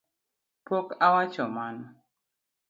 Pok awacho mano